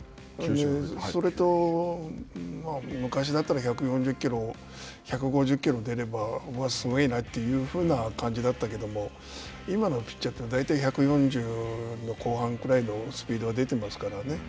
それと、昔だったら１４０キロ、１５０キロ出ればうわっ、すごいなというふうな感じだったけども今のピッチャーは１４０の後半くらいのスピードが出てますからね